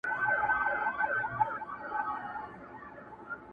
• خو هېڅ څوک د هغې غږ ته نه درېږي..